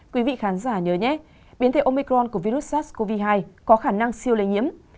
quý vị khán giả nhớ nhét biến thể omicron của virus sars cov hai có khả năng siêu lây nhiễm